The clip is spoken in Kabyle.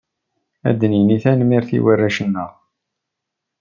Ad nini tanemmirt i warrac-nneɣ!